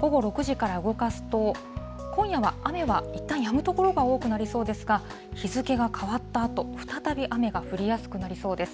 午後６時から動かすと、今夜は雨はいったんやむ所が多くなりそうですが、日付が変わったあと、再び雨が降りやすくなりそうです。